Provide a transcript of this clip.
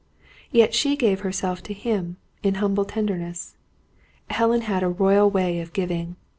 Yet she gave herself to him, in humble tenderness. Helen had a royal way of giving.